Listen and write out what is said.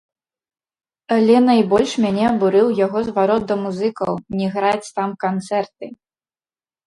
Але найбольш мяне абурыў яго зварот да музыкаў, не граць там канцэрты.